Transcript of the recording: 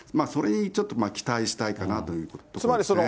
それにちょっと期待したいかなというところですね。